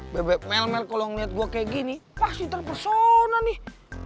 bebek melmel kalau ngeliat gue kayak gini pasti terpersona nih